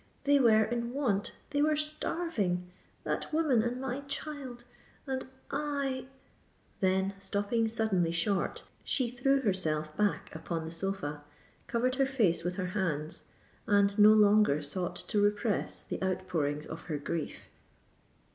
they were in want—they were starving—that woman and my child—and I——" Then, stopping suddenly short, she threw herself back upon the sofa, covered her face with her hands, and no longer sought to repress the outpourings of her grief.